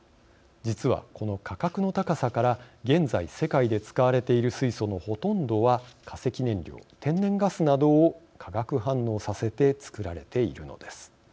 実は、この価格の高さから現在、世界で使われている水素のほとんどは化石燃料、天然ガスなどを化学反応させて作られているのです。